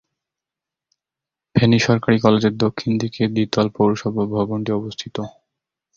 ফেনী সরকারি কলেজের দক্ষিণ দিকে দ্বিতল পৌরসভা ভবনটি অবস্থিত।